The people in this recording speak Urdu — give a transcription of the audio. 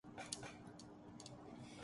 جی ہاں، آپ نے درست کہا۔